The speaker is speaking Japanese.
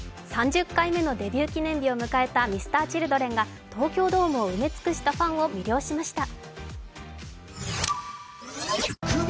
３０回目のデビュー記念日を迎えたＭｒ．Ｃｈｉｌｄｒｅｎが東京ドームを埋め尽くしたファンを魅了しました。